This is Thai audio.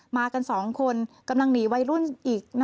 มากัน๒คนกำลังหนีวัยรุ่นอีก